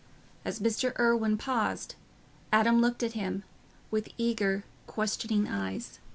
As Mr. Irwine paused, Adam looked at him with eager, questioning eyes.